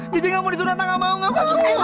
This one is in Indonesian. jejen gak mau disunat gak mau gak mau